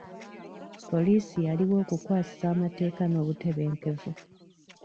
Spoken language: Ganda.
Poliisi yaliwo okukwasisa amateeka n'obutebenkevu.